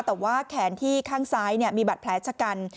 แต่ว่าแขนที่ข้างซ้ายมีบัตรแผลชะกัน